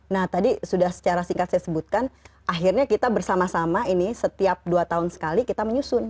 nah tadi sudah secara singkat saya sebutkan akhirnya kita bersama sama ini setiap dua tahun sekali kita menyusun